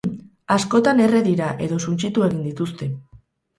Askotan erre dira, edo suntsitu egin dituzte.